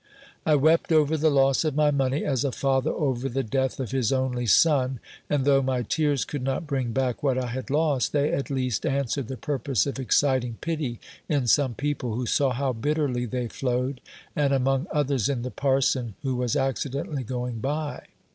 I wept over the loss of my money, as a father over the death of his only son : and though my tears could not bring back what I had lost, they at least answered the purpose of exciting pity in some people, who saw how bitterly they flowed, and among others in the parson, who was accidentally going by.